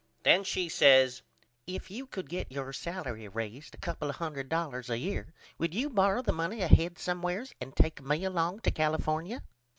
Then she says If you could get your salery razed a couple of hundred dollars a year would you borrow the money ahead somewheres and take me along to California?